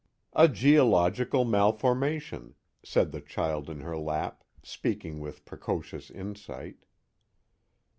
"A geeolawgical malformation," said the child in her lap, speaking with precocious insight.